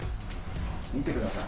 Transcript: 見てください。